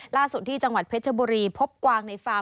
ล่าสุดที่จังหวัดเพชรบุรีพบกวางในฟาร์